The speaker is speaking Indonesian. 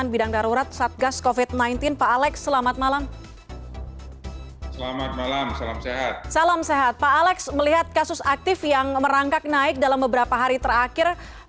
salam sehat pak alex melihat kasus aktif yang merangkak naik dalam beberapa hari terakhir